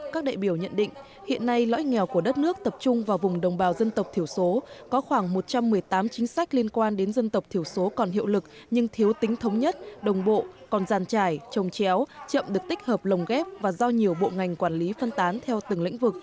các đại biểu nhận định hiện nay lõi nghèo của đất nước tập trung vào vùng đồng bào dân tộc thiểu số có khoảng một trăm một mươi tám chính sách liên quan đến dân tộc thiểu số còn hiệu lực nhưng thiếu tính thống nhất đồng bộ còn giàn trải trồng chéo chậm được tích hợp lồng ghép và do nhiều bộ ngành quản lý phân tán theo từng lĩnh vực